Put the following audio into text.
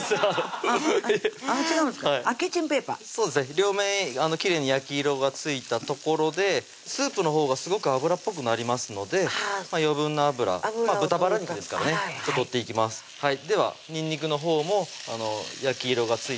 両面きれいに焼き色がついたところでスープのほうがすごく脂っぽくなりますので余分な脂豚バラ肉ですからね取っていきますではにんにくのほうも焼き色がついていい香りが出ます